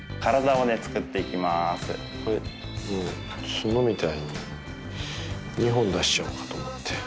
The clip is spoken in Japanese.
角みたいに２本出しちゃおうかと思って。